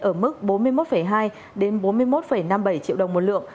ở mức bốn mươi một hai đến bốn mươi một năm mươi bảy triệu đồng một lượng